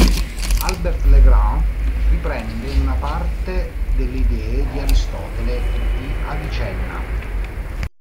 Albert le Grand riprende una parte delle idee di Aristotele e di Avicenna.